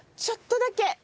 ちょっとだけ。